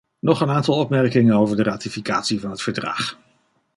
Nog een aantal opmerkingen over de ratificatie van het verdrag.